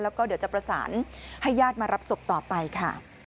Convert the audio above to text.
แล้วก็เดี๋ยวจะประสานให้ญาติมารับศพต่อไปค่ะ